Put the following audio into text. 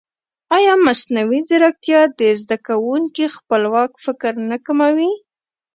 ایا مصنوعي ځیرکتیا د زده کوونکي خپلواک فکر نه کموي؟